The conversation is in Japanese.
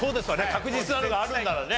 確実なのがあるんならね。